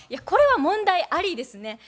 これは問題ありですね。